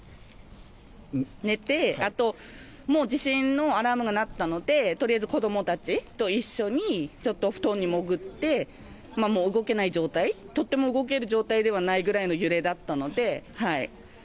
寝て、あともう地震のアラートが鳴ったのでとりあえず子供たちと一緒にちょっと布団にもぐってもう動けない状態、とても動ける状態ではないぐらいの揺れだったので、はい。